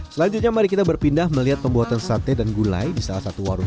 selanjutnya mari kita berpindah melihat pembuatan sate dan gulai di salah satu warung